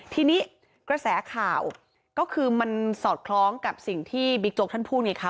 ทีนี้กระแสข่าวก็คือมันสอดคล้องกับสิ่งที่บิ๊กโจ๊กท่านพูดไงคะ